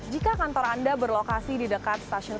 jika kantor anda berlokasi di dekat stasiun stasiun mrt